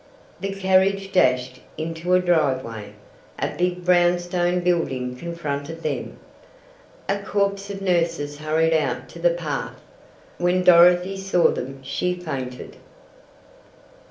The carriage dashed into a driveway! A big brownstone building confronted them. A corps of nurses hurried out to the path! When Dorothy saw them she fainted!